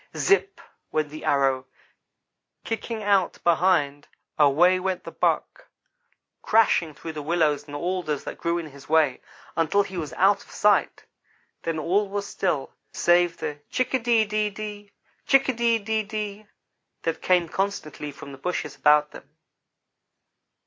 Zipp went the arrow and, kicking out behind, away went the buck, crashing through willows and alders that grew in his way, until he was out of sight. Then all was still, save the chick a de de de, chick a de de de, that came constantly from the bushes about them.